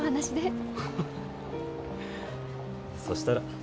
そしたら。